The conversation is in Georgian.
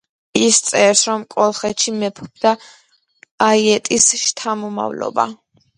ის წერს რომ კოლხეთში მეფობდა აიეტის შთამომავლობა.